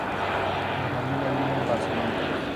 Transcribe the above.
La familia vive en Barcelona.